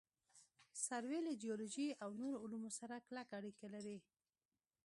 سروې له جیولوجي او نورو علومو سره کلکه اړیکه لري